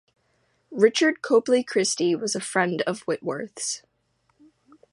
Richard Copley Christie was a friend of Whitworth's.